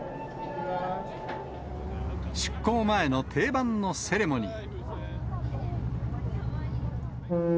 出航前の定番のセレモニー。